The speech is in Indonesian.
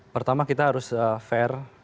pertama kita harus fair